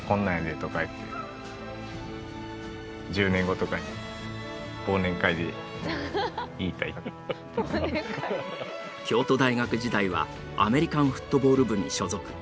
何かこう京都大学時代はアメリカンフットボール部に所属。